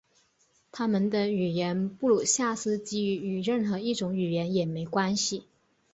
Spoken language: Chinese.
他们的语言布鲁夏斯基语与任何一种语言也没关系。